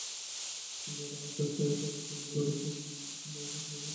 সৈন্যরা আওতাসে এসে অবস্থান নিলে দুরায়দ বিন ছম্মাহ এসে সৈন্যদের সাথে মিলিত হয়।